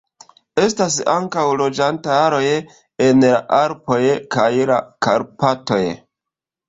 Estas ankaŭ loĝantaroj en la Alpoj kaj la Karpatoj.